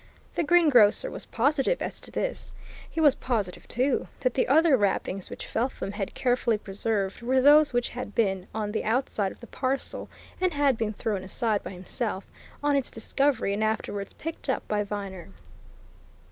The greengrocer was positive as to this; he was positive, too, that the other wrappings which Felpham had carefully preserved were those which had been on the outside of the parcel and had been thrown aside by himself on its discovery and afterwards picked up by Viner.